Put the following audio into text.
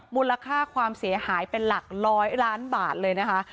มูลค่าความเสียหายเป็นหลักร้อยล้านบาทเลยนะคะ